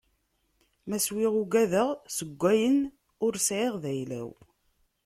Ma swiɣ ugadeɣ, seg ayen ur sɛiɣ d ayla-w.